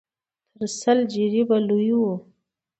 تر سل جريبه لوى و.